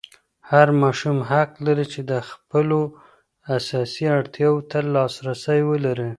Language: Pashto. هر ماشوم حق لري چې د خپلو اساسي اړتیاوو ته لاسرسی ولري.